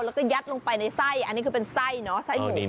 แล้วก็ยัดลงไปในไส้อันนี้คือเป็นไส้เนอะไส้หมู